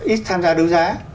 ít tham gia đấu giá